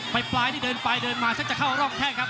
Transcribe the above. ปลายนี่เดินไปเดินมาฉันจะเข้าร่องแข้งครับ